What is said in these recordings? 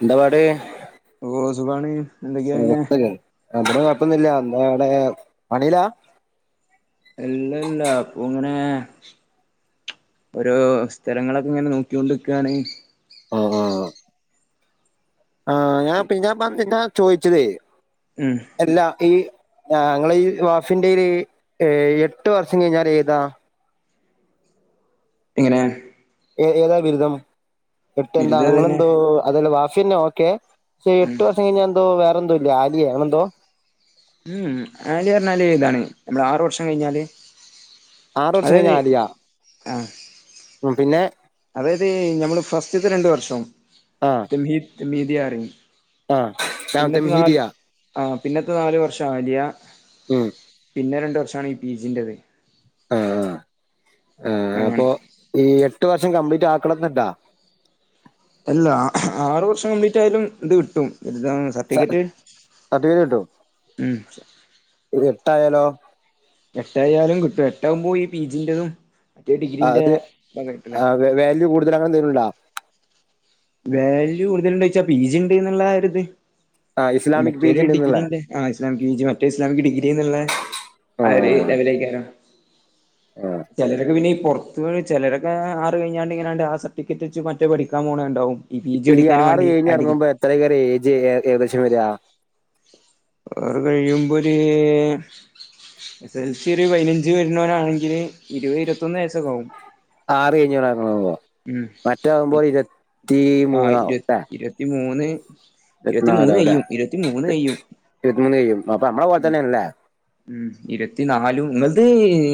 എന്താപാട് ഓ സുഖാണ് എന്തൊക്കെയാ പിന്നെ ഇബട കൊഴപ്പന്നില്ല എന്താ അവിടെ പണീലാ ഇല്ലല്ലാ അപ്പൊ ഇങ്ങനേ ഓരോ സ്ഥലങ്ങളൊക്കെ ഇങ്ങനെ നോക്യോണ്ടിക്കാണ് ഓഹോ ഹോ ആ ഞാൻ പിന്നെ ഞാൻ പറഞ്ഞഴ്ഞ്ഞാ ചോയ്ച്ചതേ ഉം അല്ലാ ഈ ഞങ്ങളെ ഈ വാഫിന്റേല് ഏ എട്ടുവർഷം കഴിഞ്ഞാല് ഏതാ ഇങ്ങനെ ഏ ഏതാ ബിരുദം എട്ട് എന്താ ബിരുദ തന്നെ നിങ്ങളെന്തോ അതന്നെ വാഫിന്നേ ഓക്കെ ചെ ഉം എട്ടു വർഷം കഴിഞ്ഞാ എന്തോ വേറെന്തോ ഇല്ലേ ആലിയേ അങ്ങനെന്തോ ഉം ആലിയറഞ്ഞാല് ഇതാണ് നമ്മള് ആറുവർഷം കഴിഞ്ഞാല് ആറുവർഷം അതായത് കഴിഞ്ഞാ ആലിയാ ആഹ് ഉം പിന്നെ അതായത് ഞമ്മള് ഫസ്റ്റ്ത്തെ രണ്ടുവർഷം ആ ഡെൽഹി ഹെമീദിയാ എറങ്ങി ആ രാമത്തെ പിന്നത്തെ മിഹിദിയ നാല് ആ പിന്നത്തെ നാലുവർഷം ആലിയ ഉം പിന്നെ രണ്ടുവർഷമാണ് ഈ ഫീസിൻറ്റേത് ആ ആ അങ്ങനെ അപ്പൊ ഈ എട്ടുവർഷം കംപ്ലീറ്റാക്കണന്നൊണ്ടാ അല്ലാ ആറുവർഷം കംപ്ലീറ്റായാലും ഇത് കിട്ടും ട്ട [unintelligible] ഉം ഇത് എട്ടായാലോ.... എട്ട ആായാലും കിട്ടും എട്ടാകുമ്പോ ഈ പീജിയതും മറ്റേ ഡിഗ്രീന്റെ തലെകിട്ട് ണെ വാല്യ കൂടുതലാങ്ങനെ അങ്ങനെ എന്തേലുംണ്ടോ. വാല്യൂ കൂടുതലുണ്ടോ ച്ചാ പി ജി ഉണ്ട് എന്നുള്ള ഒരുത് ആ ഇസ്ലാമിക് മറ്റേരു പേജ് ഡിഗ്രി ഉണ്ടെന്നുള്ള ഉണ്ട്. ആ ഇസ്ലാമിക് പി ജി മറ്റേ ഇസ്ലാമിക് ഡിഗ്രി എന്നുള്ള ആ ഒരു ലെവലേക്കാരം ഉം.... ചിലരൊക്കെ പിന്നെഈ പുറത്തത്ത് ചിലരൊക്കെ ആറ് കഴിഞ്ഞാണ്ട് ഇങ്ങനാണ്ട് ആ സർട്ടിഫിക്കറ്റ് വെ മറ്റേ പഠിക്കൻ പോണേ ഉണ്ടാവും. ഈ പി ജി അടിക്കാനൻ വേണ്ടി അടി ഇത്തരക്കാരുടെ എയ്ജ് ഏകദേശം വരിക അത് കഴിയുമ്പോര് എസ് എൽ സി ഒരു പതിനഞ്ച് വരുന്നവനാണെങ്കിൽ ഇരുപത് ഇരുപത്തൊന്ന് വയസ്സൊക്കെ ആകും. ആറ് കഴഞ്ഞൂറ്ക്കണുമ്പോ മറ്റാകുമ്പോൾ ഇരു ആ ഇരു ഇരുപത്തിമൂന്ന് ഇരുപത്തിമൂന്ന് അയ്യും ഇരുപത്തിമൂന്ന് കയ്യും. ഇരുപത്തി മൂന്ന് കഴും അപ്പ നമ്മള പോല തന്നെയന്നല്ലേ. ഉം ഇരുത്തിനാലും ഇങ്ങൾത്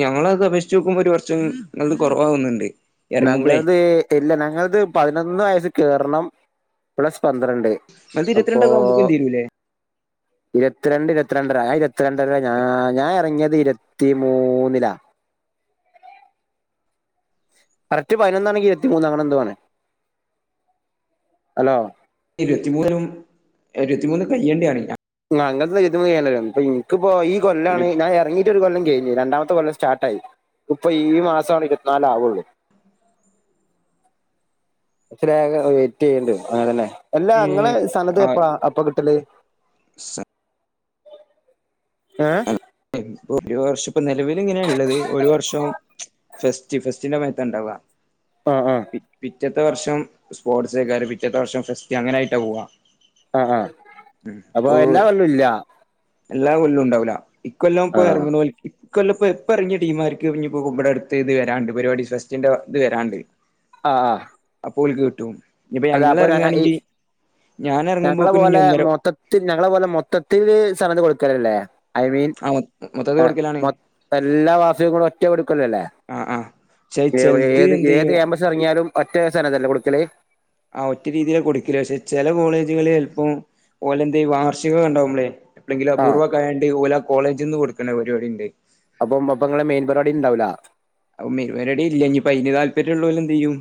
ഞങ്ങളത് അപേക്ഷിച്ച് നോക്കുമ്പോ ഒരു വർഷം ഇങ്ങൾത് കുറവാകുന്ന്ണ്ട് ഞങ്ങളത് ഇല്ല ഞങ്ങളത് പതിനൊന്ന് വയസ്സ് കയറണം പ്ലസ് പന്ത്രണ്ട്.... ങ്ങളത് ഇരുപ രണ്ട ആകുമ്പക്കും തീരലേ. ഇരുത്തിരണ്ട് ഇരുപത്തിരണ്ടര ഇരുപത്തിരണ്ടര ഞാ ഞാൻ ഇറങ്ങിയത് ഇ പത്തി മൂന്നില. കറക്റ്റ് പതിനൊന്നാണെങ്കി ഇരുത്തി മൂന്ന് അങ്ങനെ എന്തോണ് ഹലോ ഇരുപത്തിമൂന്നും ഇരുപത്തിമൂന്നും കയ്യേണ്ടിയാണ് ഞാൻ അങ്ങനത്തെ തതും ഇ ഇനിക്കപ്പോ ഈ കൊല്ലാണ് ഇരുപത്തി ഞൻ ഇറങ്ങി ഒരു കൊല്ലം കെയിഞ്ഞു രണ്ടാമത്തെ കൊല്ലം സ്റ്റാർട്ട ആായി ഇപ്പൊ ഈ മാസമാണ് ഇരുത്തിനാലവയുള്ളൂ. [unintelligible] വെയിറ്റ് ചെയ്യേണ്ടും അങ്ങനെതന്നെ എല്ലാ അങ്ങെ സഥാനത്ത് എപ്പാ അപ്പൊ കിട്ടല്. സ ഏഹ് ഒരു വർഷം ഇപ്പൊ നിലവില് ഇങ്ങനെ ഉള്ളത് ഒരു വർഷം. ഫസ്റ്റ് ഫസ്റ്റ്ന്റെ മേത്തണ്ടാവാ ആഹ് ആഹ് പിറ്റത്തെ വർഷം സ്പോർട്സ്സക്കാരം പിറ്റത്തെ വർഷം ഫെസ്റ്റ് അങ്ങനെയായിട്ടാ പോവാ ആഹ് ആഹ് അപ്പൊ എല്ലാ കെല്ലഇല്ല. എല്ലാ കൊല്ലവും ഉണ്ടാവില്ല ഇക്ക കൊല്ലം ആ പ്പൊഇറണോല് ഇ കൊല്ല ഇപ്പോ ഇപ്പ ഇറങ്ങിയ ടീമാർക്ക് നി ഇപ്പോ മ്പടെ അടുത്ത് ഇത് വരാണ്ട് പരിപാടി സസ്റ്റിന്റെ ഇത് വരാണ്ട്. ആഹ് അപ്പോൽക്ക് കിട്ടും ഇപ്പൊ ഞങ്ങൾ ഞ ഈ എറങ്ങാണെങ്കി ഞാൻ എറങ്ങുമ്പോക്ക് ഇനി ഒന്നര തും ഞങ്ങളെ പോലെ മൊത്തത്തില്ൽ സവന്ത്‌ കൊടുക്കലല്ലേ ഐ മീൻ ആ മൊത്തത്തിൽ ഏ കൊടുക്കലാണ് മൊ എല്ലാ വാസികും ഒറ്റ എടുക്കല്ലോല്ലേ ആ ആ പക്ഷെ ചെലത് എന്ത് ഏത് ചെയ്യും ഏ മസ് ഇജ്ജ് ഇറങ്ങിയാലും ഒറ്റേ സ്നത് അല്ല കുടുക്കല്. ആഹ് ഒറ്റ രീതിയില കൊടുക്കില്ല് പക്ഷെ ചില കോളേജുകളിൽ ചല്പ്പം ഓലെ എന്താ ഈ വാർഷികെണ്ടാവുമ്പളേ. എപ്പോളെങ്കിലും ആ അപൂർവകെയോണ്ട് ഓലാ കോളേജിൽ നിന്ന് കൊടുക്കണേ പരിപാടി ഉണ്ട്. അപ്പം അപ്പ ഇങ്ങളെ മെയിൻ പരിപാടി ഉണ്ടാവുല്ല. മെയിൻ പരിപാടി ഇല്ല ഇനിപ്പയിന് താല്പര്യമുള്ളോല് എന്ത് ചെയ്യും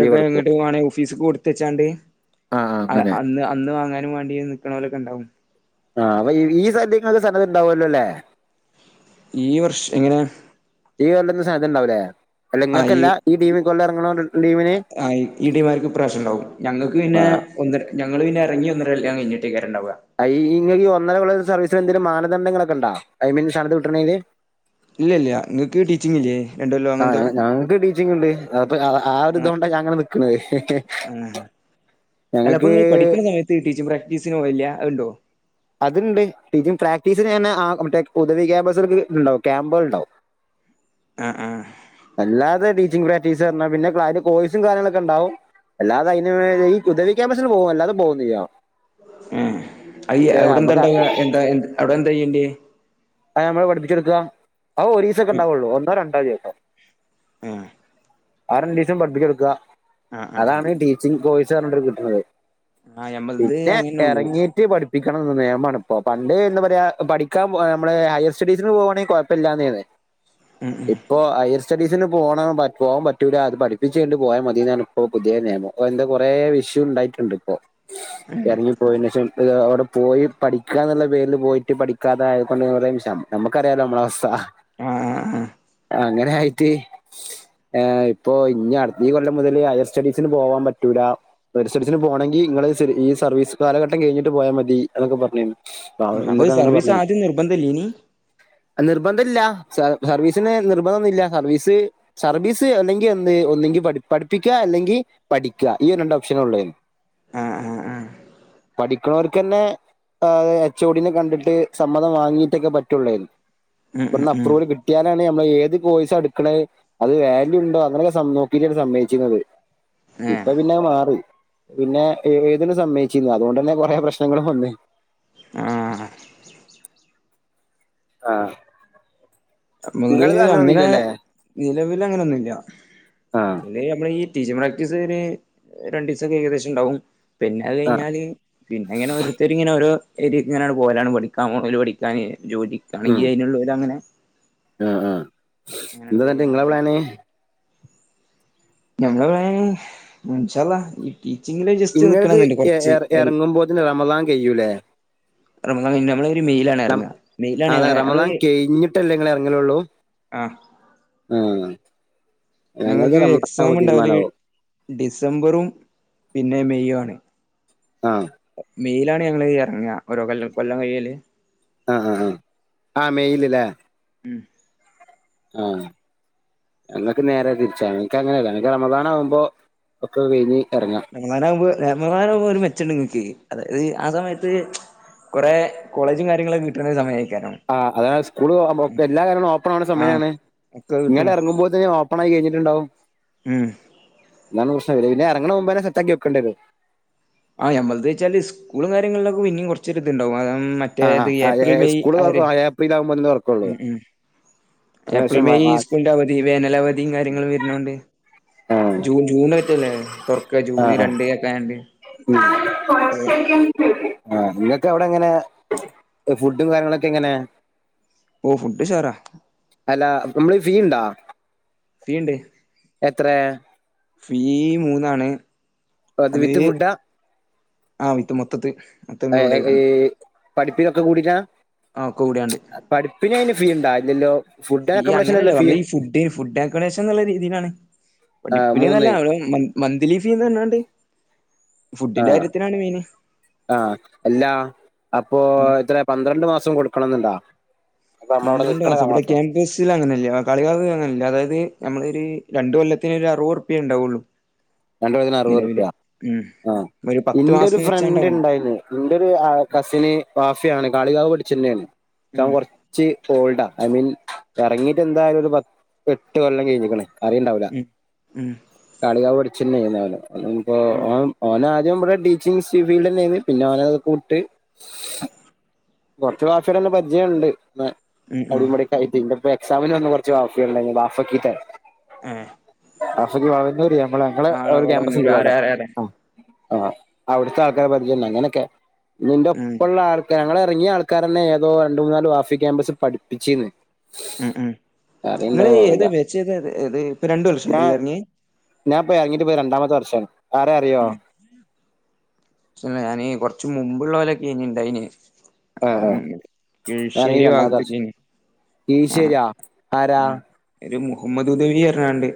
ലീവ് എടുക്കും [unintelligible] ഓഫീസ് കൊടുത്തച്ചാണ്ട് ആഹ് ആഹ് അ അങ്ങനെ അന്ന് അന്ന് വാങ്ങാനും വാണ്ടി നിക്കണൊ ലൊക്കെ ഉണ്ടാവും. ആഹ് അപ്പൊ ഈ [unintelligible] നിങ്ങക്ക് സനത് ഉണ്ടാവോല്ലോല്ലെ. ഈ വർഷം എങ്ങനെ. ഈ കൊല്ലം സനത് ഉണ്ടാവുല്ലേ അല്ലെ ങ്ങക്കല്ല ഈ ടീമി കൊല്ലാം അറങ്ങ്ണൊ ആഹ് ഇ ടീമാര്ക്ക് പ്രാവശ്യം ഉണ്ടാവും ഞങ്ങൾക്ക് പിന്നെ ഒന്ന ഞങ്ങള് പിന്നെ ഇങ്ങി ഒന്നര ല്ല കായിഞ്ഞിട്ടേ കാരംണ്ടാവ അയി ഈ ഈ ഒന്നരകൊല്ലത്തെ സർവീസിൽ എന്തെലും മാനദണ്ഡങ്ങളൊക്കെ ഉണ്ടോ ഐ മീൻ സനത് കിട്ട്ണീന് ഇല്ല ഇല്ല നിങ്ങൾക്ക് ടീച്ചിഗ് ഇല്ലേ രണ്ട് കൊല്ലോ അങ്ങനന്തോ ച്ചിങ്ങ്ണ്ട് അത് ആഹ് ആഹ് ഒരു ആ ഇതോണ്ടാ ഞാ ഇങ്ങനെ നിക്ക്ണെ ആ ഞങ്ങക്ക് ടി ടി സി പ്രാക്ടീസിനോവേല്ല അഹ്ണ്ടോ അത്ണ്ട് ടീച്ചിങ് പ്രാക്ടീസിന്ങ്ങനെ ആഹ് മറ്റേ ഹുദവി ക്യാമ്പസ്കൾക്ക് ഇണ്ടാവും ക്യാമ്പള്ണ്ടാവും ആഹ് ആഹ് അല്ലാതെ ടീച്ചിംഗ് പ്രാക്ടീസർഞ്ഞാ പിന്നെ ക്ലാ അയിന്റെ കോഴ്സും കാര്യങ്ങളൊക്കെ ഇണ്ടാവും അല്ലാതെ അയിന് വേ ഈ ഹുദവി ക്യാമ്പസിന് പോവും അല്ലാതെ പോവൊന്നില്ല ഏഹ് അയ് അവ്ടെന്താ നമ്മക്ക് ഇണ്ടാവാ എന്താ എന്ത് അവടെന്തായ്യെന്റെ അഹ് അമ്മള് പഠിപ്പിച്ചെട്ക്കാ അഹ് ഒരീസക്കണ്ടാവോള്ളൂ ഒന്നോ രണ്ടോ ദിവസം ഉം ആ രണ്ടീസം പഠിപ്പിച്ചൊട്ക്ക ആ ആ ആ അതാണ് ടീച്ചിംഗ് കോഴ്സർഞ്ഞോണ്ട് കിട്ട്ണത് ആ ഞമ്മളത് പിന്നെ അങ്ങനെ ഉള്ളൂ എറങ്ങീട്ട് പഠി പ്പിക്കണന്നെന്ന് നെയമാണ്പ്പൊ പണ്ടേ എന്ത പറയാ പഠിക്കാൻ പോ ഏഹ് മ്മളെ ഹയർ സ്റ്റഡീസ് പോവാണെ കൊഴപ്പല്ലാന്നേനെ ഉം ഉം ഇപ്പോ ഹയർ സ്റ്റഡീസിന് പോണം പ പോവാ പറ്റൂല്ല അത് പഠിപ്പിച്ചയ്ഞ്ഞിട്ട് പോയാ മതിന്നാണ് ഇപ്പോ പുതിയെ നെയമം ഇപ്പോ എന്റെ കൊറെ വിഷ്യു ഉണ്ടായിട്ടുണ്ട് ഇപ്പൊ എറങ്ങിപ്പോയെനേഷം ഇപ്പതാ അവടെ പോയി പഠിക്കാന്ന്ള്ള പേരില് പോയിട്ട് പഠിക്കാതായ കൊണ്ട് കൊറേ വിഷയം നമ്മക്കറിയാലോ നമ്മള അവസ്ഥ ആഹ് അങ്ങനെ ആയിട്ട് ഏഹ് ഇപ്പൊ ഇഞ്ഞ് അട് ഈ കൊല്ലം മുതല് ഹയർ സ്റ്റഡീസിന് പോവാം പറ്റൂല ഹയർ സ്റ്റഡീസിന് പോണെങ്കി ഇങ്ങള് ശരി ഈ സർവീസ് കാലഘട്ടം കഴിഞ്ഞിട്ട് പോയാ മതി എന്നൊക്കെ പറഞ്ഞിരുന്നു ഉം അപ്പൊ ഈ എന്നൊക്കെ അങ്ങനെ സർവീസ് പറഞ്ഞിരുന്നു ആദ്യം നിർബന്ധ ഇല്ലേനി നിർബന്ധല്ല സ സർവീസിന് നിർബന്ധന്നുല്ല സർവീസ് സർവീസ് അല്ലെങ്കി എന്ത് ഒന്നെങ്കി പഠി പഠിപ്പിക്കാ അല്ലെങ്കി പഠിക്കാ ഈ രണ്ട് ഓപ്ഷനൊ ഇള്ളയിന് ആഹ് ആഹ് ആഹ് പഠിക്ക്ണോല്ക്കന്നെ ആഹ് എച്ച് ഒഡിനെ കണ്ടിട്ട് സമ്മതം വാങ്ങിയിട്ടൊക്കെ പറ്റോള്ളേനി ഉം ഉം ഇവട്ന്ന് ഉം അപ്രൂവല് കിട്ടിയാലാണ് നമ്മള് ഏത് കോഴ്സാ എട്ക്ക്ണെ അത് വാല്യു ഉണ്ടോ അങ്ങൊക്കെ സ നോക്കിട്ടാണ് സമ്മേയിച്ചിരുന്നത് ഇപ്പ ഏഹ് പിന്നെ മാറി പിന്നെ ഏഴ്തിനെ സമ്മേയിച്ചിര്ന്നു അതോണ്ടന്നെ കൊറെ പ്രശ്നങ്ങളും വന്ന് ആഹ് ആഹ് നമ്മള്ത് നിങ്ങളത് അങ്ങനെ അങ്ങനൊന്നുംല്ലല്ലേ നിലവിലങ്ങനൊന്നുല്ല ആഹ് അയില് നമ്മള ഈ ടീച്ചിംഗ് പ്രാക്ടീസ് ഒര് ഏഹ് രണ്ടീസൊക്കെ ഏകദേശം ഇണ്ടാവും പിന്നെ അഹ് ആഹ് കഴിഞ്ഞാല് പിന്നെ ഇങ്ങനെ ഓരുത്തരിങ്ങനെ ഓരോ ഒര് ഇങ്ങനാട്ട് പോവലാണ് പഠിക്കാൻ പോണോല് പഠിക്കാന് ജോലിക്കാണെങ്കി ഉം അയിന്ള്ളോരങ്ങനെ ആഹ് ആഹ് എന്താന്ന്ട്ട് ഇങ്ങളെ പോവലാണ് പ്ലാന് ഞങ്ങളെ പ്ലാന് ഇൻഷാ അള്ളാ അള്ളാ ഈ ടീച്ചിങ്ങില് ജസ്റ്റ് ഇങ്ങളത് നിക്കണെന്ന്ണ്ട് എ കൊറ്ച്ച് എ വെ എറങ്ങുമ്പോത്തിന് റമളാൻ കയ്യൂലേ റമളാനില് നമ്മള് റം അതെ റമളാന് കെഴിഞ്ഞിട്ടല്ലേ ഇങ്ങളെറങ്ങലുള്ളൂ ആഹ് ആഹ് ഞങ്ങൾക്ക് ഞങ്ങൾത്ത് എക്സാം റമളാനാവുമ്പം ഉണ്ടാവല് തീരുമാനാവും ഡിസംബറും പിന്നെ മെയ് ആണ് ആഹ് മെയിലാണ് ഞങ്ങള് എറ്ങ്ങാ ഓരോ കൊല്ലം കൊല്ലം കയ്യല് ആഹ് ആഹ് ആഹ് ആഹ് മെയില്ല്ലേ ആഹ് ഞങ്ങക്ക് നേരെ തിരിച്ചാണ് ഇന്ക്ക്ങ്ങനെല്ല ഇന്ക്ക് റമളാനവുമ്പോ ഒക്കെ കഴിഞ്ഞ് എറങ്ങാ റമളാനാവുമ്പോ റമളാനാവുമ്പോ ഒരു മെച്ചണ്ട് ഇങ്ങക്ക് അതായത് ആ സമയത്ത് കൊറെ കോളേജും കാര്യങ്ങളൊക്കെ കിട്ട്ണെ സമയേക്കാരം ആഹ് അത സ്കൂള് ആകുമ്പോ എല്ലാ കാരണം ഓപ്പൺ ആകണെ ആഹ് സമയമാണെ ഒക്കെ നിങ്ങൾ കിട്ടും ഇറങ്ങുമ്പോ തന്ന ഓപ്പൺ ആയി കഴിഞ്ഞിട്ടുണ്ടാവും ഉം എന്നാണ് പ്രശ്നംല്ല പിന്നെ ഇറങ്ങണ മുന്നേനെ സെറ്റാക്കിവെക്കേണ്ടിവരും ആഹ് ഞമ്മത് ച്ചാല് സ്കൂളും കാര്യങ്ങളിലക്കെ പിനിം കുറച്ചത് ഇതുണ്ടാകും [unintelligible] ആഹ് ആഹ് ആ എ സ്കൂള് തുറക്കും എപ്പിൾ ആവുമ്പോ ഒന്ന് തോരക്കും ഉം ഉം ഏപ്രിൽ വ- മെയ് ആ, സ്കൂളിന്റെ അവധി വേനൽ അവധിയും കാര്യങ്ങളും വരുന്നോണ്ട് ആ, ജൂൺ ജൂണ് റ്റല്ലേ തുറക്ക ആ, ജൂണ് ആ, രണ്ട് ഒക്കെ ആണ്ട് ഉം ആഹ നിങ്ങൾക്ക് അവിടെ എങ്ങനെ ഫുഡും കാര്യങ്ങളൊക്കെ എങ്ങനെ ഓ ഫുഡ് ചോറാ അല്ല നമ്മള് ഫീ ഉണ്ടോ ഫിണ്ട് എത്രയ ഫീ മൂന്നാണ് അത് വിത്ത് ഫുഡാ ആ വിത്ത് മൊത്തത്ത് മൊത്തമിഗ്ലൂട് ചെയ്താണ് പഠിപ്പിലൊക്കെ കൂടിട്ടാ ആ ക്ക കൂടാണ്ട് പഠിപ്പിന് അതിന് ഫീ ഉണ്ടാ ഇല്ലല്ലോ ഫുഡ് ഫി ആൻഡ് അക്കോമഡേഷൻ അല്ല അങ്ങനെയല്ല ഫീ നമ്മള ഈ ഫുഡ ഫുഡ് അക്കോമഡേഷ നുള്ള രീതിയിലാണ് പിഠിപ്പിന് മൂന്ന് നല്ല മന്ത്ലി ഫീന്നണാണ്ട് ഫുഡിന്റെ കാര്യത്തിനാണ് മെയിൻ ആഹ എല്ലാ അപ്പൊ ഉം ഇത്ര പന്ത്രണ്ട് മാസം കൊടുക്കണംന്നുണ്ടാ ഒന്ന് രണ്ടു മാസം ഇവിടെ ക്യാമ്പസ് ഇതിൽ അങ്ങനൊന്നുമില്ല കളികൾ അങ്ങനെയല്ല അതായത് നമ്മളൊരു രണ്ട് കൊല്ലത്തിന് ഒരറുപത് ഉറപ്പേ ഉണ്ടാവയുള്ളു [inaudible] രണ്ട്കൊല്ലത്തിന് അറുപ്യാ ആ ഒരു പത്ത് ഇന്റെ ഒരു മാസം ഫ്രണ്ട് വെച്ചാണ്ടാവണം ഇണ്ടായില് എന്റെ ഒരു കസിന് വാഫിയാണ് കാളികാവ് പഠിച്ചുന്നെയാണ് അവൻ ഉം കൊറ ച്ച് ഓൾഡാ ഐ മീൻ ഇറങ്ങിട്ട് എന്തായാലും ഒരു പത്ത് എട്ട് കൊല്ലം കഴിഞ്ഞിക്കണേ അറിയണ്ടാവില്ല ഉം ഉം കളികാവ് പടിച്ചന്നെ ചെയ്യുന്ന അവന് പ്പോ ഉം ഓൻ ഓൻ ആദ്യം ഇടെ ടീച്ചിങ് സിവിഡ്ന്നെയെന്നു പിന്നെ ഓനത് ക്കെ വിട്ട് കുറച്ച് വാഫി കളെല്ലാം പരിചയം ഉണ്ട് ന്ന ഉം ഉം അവിടിം ഇവിടി ഐ പിന്നെപ്പ അപ്പ എക്സാമിന് വന്ന് കുറച്ച് ഫാഫിൾണ്ടയിരുന്നു വാഫകിത്തെ ഏ വാഫക്കി വളന്നൂര് ല്ലേ നമ്മള് ഞങ്ങള് ആ ഒരു ക്യാമ്പസ് അളവളവന്നൂര് ഉണ്ടല്ലോ അവിടെ ആരാരാരാ ആഹ് ആഹ് അവിടുത്തെ ആൾക്കാരെ പരിചയണ്ടാ അങ്ങനൊക്കെ നിന്റെ ഉം ഒപ്പുള്ള ആൾക്ക ഞങ്ങള ഇറങ്ങിയ ആൾക്കാരന്നെ ഏതോ രണ്ട് മൂന്നാല് വാഫി ക്യാമ്പസിൽ പിഠിപ്പിച്ചിന്ന് ഉം ഉം നിങ്ങൾ ഏതാ അറിയില്ല ബെച്താ ഇപ്പ രണ്ടു വർഷ ആല്ല ഇറങ്ങി ഞാൻ ഇപ്പ ഇറങ്ങിട്ട് പ്പ രണ്ടാമത്തെ വർഷം ആരേ അറിയോ ച് ഞാന് കുറച്ച് മുമ്പുള്ള ലൊക്കെന്നി ഇണ്ടയിന് ആഹ് കിശേരി ഭാഗത്തേക്കെന്നു കിശേരിയാ ആരാ ഉം ഒരു മുഹമ്മദ് ഉദവി പറഞ്ഞാണ്ട്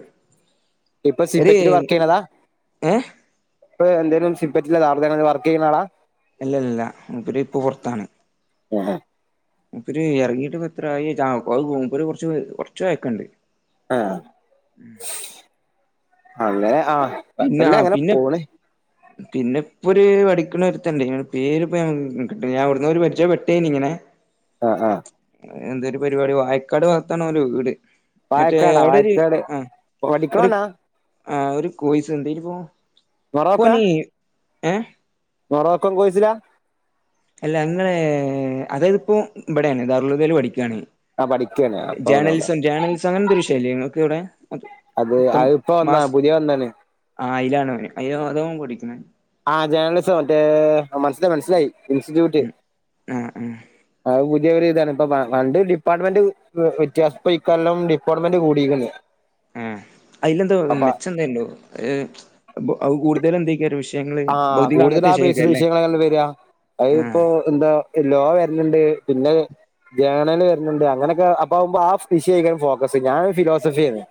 ഇപ്പൊ സി ഒരു പറ്റില് വർക്ക് ചെയ്യണതാ ഏഹ് ഇപ്പ എന്തേലും സി പറ്റില്ല ദാറുൽ ഹുദയിലെ വർക്ക് ചെയ്യുന്ന ആളാ അല്ല അല്ല മൂപ്പര് ഇപ്പൊ പോറത്താണ് ഹഹ. മൂപ്പര് എറങ്ങിട്ട് പ്പ യെത്രായി ച്ചാ ആ അത് മൂപ്പര് കൊറച്ച് കൊറച്ച് പയക്കണ്ട്. ആഹ് അങ്ങനെ ആഹ് പിന്നെ ആ കൊഴപ്പല്ല അങ്ങനെ പിന്നെ. പോണ് പിന്നെ ഇപ്പോരു പഠിക്കണ ഒരുത്തണ്ട് പേര്പ്പഞാൻ കിട്ന്നില്ല ഞാൻ ഓടന്നെ പരിചയംപ്പെട്ടേനി ഇങ്ങനെ. ഉം.. ആഹ് ആഹ്. എന്തേലും പരിപാടി വായക്കാട് ഭാഗത്താണ് ഓല വീട്. മറ്റേ വായക്കാടാ എവടെരു വായക്കാട് ആ ഒരു. പഠിക്കണോനാ ആ ഒരു കോയിസ് എന്തെനിപ്പോ പോനീ ഏ. മൊറോക്കോം കോഴ്സിലാ. അല്ല ന്ന് അതായത്പ്പോ ഇവിടെയാണ് ദാറുൽഹുദേല് പഠിക്കാണ്. ആഹ് പഠിക്കാണ് അപ്പൊ ഒന്നുല്ല ജേണലിസം ജേണലിസം അങ്ങനെന്തൊരു വിശയല്ലെങ്ങക്ക് ഇവിടെ. അത് അഹ്പ്പ വന്നാ പുതിയ വന്നാണ്. ആഹ് അയിലാണോന് അതോന് കൂടിക്ക്ണ്. ആഹ് ജേണലിസം മറ്റേ മനസ്സ മനസ്സിലായി ഇൻസ്റ്റിറ്റ്യൂട്ട്. ഉം ആ ആ അത് പുതിയൊരിതാണ് ഇപ്പൊ പണ്ട് ഡിപ്പാർട്ട്മെന്റ്. വ്യത്യാസപ്പ ഇക്കൊല്ലം ഡിപ്പാർട്ട്മെന്റ് കൂടിക്കുന്നു. ആഹ് അയിലെന്താ മെച്ചന്തണ്ടോ അഹ് കൂടുതൽ എന്തക്കാരം വിഷ. ആഹ് കൂടുതലാ അപേർസ വിഷയങ്ങളല്ല വര ആ അഹ്പ്പോ. എന്താ എല്ലാ ലോ വരല്ണ്ട് പിന്നെ ജേണല് വര്ന്ണ്ട് അങ്ങനൊക്കെ അപ്പആവുമ്പോ ആ വിഷയേക്കാ രം ഫോക്കസ് ഞാൻ ഫിലോസഫി ആണ്.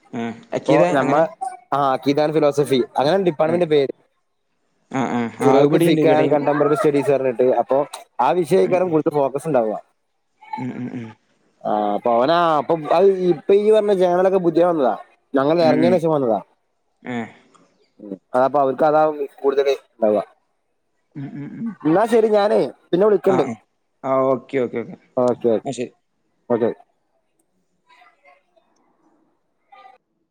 ഉ ഇപ്പോ നമ്മൾ ആഹ് കീതാൻ ഫിലോസഫി അങ്ങനെ ആ ഡിപ്പാർട്ട്മെന്റ് പേര്. ആഹ് ആഹ് ആ ചിലവർക്ക് ഇവിടെയുണ്ട് ഫൈക്കാ ഇവിടെയും കണ്ടമ്പറ സ്റ്റഡീസ്റഞ്ഞിട്ട് അപ്പൊ ആ ഉം വിഷയക്കാരം. ഫോക്കസ്ണ്ടാവാ. ഉം ഉം. ആഹ് അപവനാ അപ്പൊ അത് ഇപ്പൊ ഈ പറഞ്ഞ ജേണലൊക്കെ പുതിയത് വന്നതാ. ഉം ഉം ഞങ്ങളെറങ്ങിന് ശേഷം വന്നതാ ഏഹ് ആപ്പ അവ. കഥാവും കൂടുതല്ണ്ടാവ. ഉം ഉം ഉം എന്നാ ശരി ഞാനെയ്. ആ ആ ആ ഓക്കെ ഓക്കെ ഓക്കെ ആ ശരി. അതെ